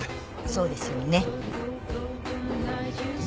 そうですよね。